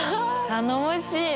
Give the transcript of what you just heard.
頼もしいね。